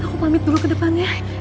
aku pamit dulu ke depan ya